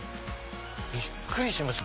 びっくりしました